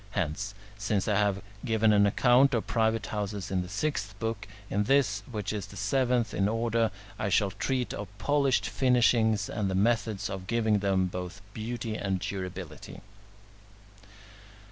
Hence, since I have given an account of private houses in the sixth book, in this, which is the seventh in order, I shall treat of polished finishings and the methods of giving them both beauty and durability.